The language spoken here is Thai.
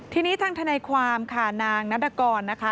ทีนี้ทางทนายความค่ะนางนัตกรนะคะ